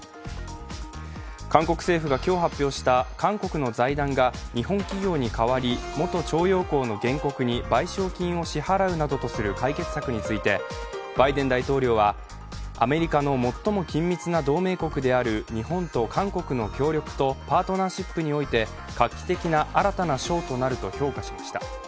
韓国政府が今日発表した韓国の財団が日本企業に代わり元徴用工の原告に賠償金を支払うなどとする解決策についてバイデン大統領は、アメリカの最も緊密な同盟国である日本と韓国の協力とパートナーシップにおいて画期的な新たな章となると評価しました。